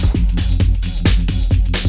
bunuh mereka bunuh